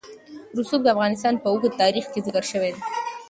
رسوب د افغانستان په اوږده تاریخ کې ذکر شوی دی.